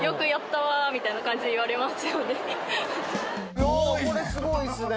いやこれすごいすね。